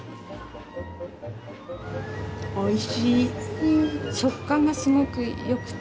おいしい。